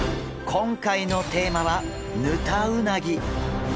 今回のテーマはヌタウナギ。